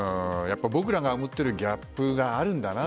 僕らが思っているギャップがあるんだな